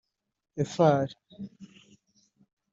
Ephar